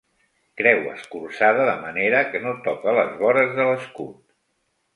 Creu escurçada de manera que no toca les vores de l'escut.